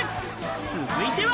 続いては。